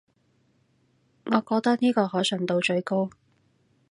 我覺得呢個可信度最高